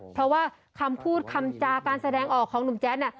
เพราะว่าคำพูดคำจาการแสดงออกของหนุ่มแจ๊ดเนี่ย